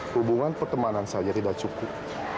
hubungan pertemanan saja tidak cukup